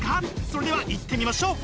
それではいってみましょう！